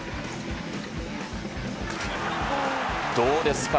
どうですか。